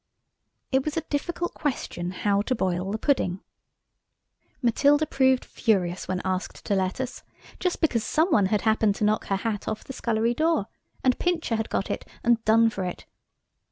It was a difficult question how to boil the pudding. Matilda proved furious when asked to let us, just because some one had happened to knock her hat off the scullery door and Pincher had got it and done for it.